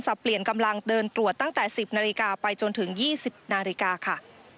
เปลี่ยนกำลังเดินตรวจตั้งแต่๑๐นาฬิกาไปจนถึง๒๐นาฬิกาค่ะ